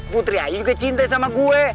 putri ayu juga cinta sama gue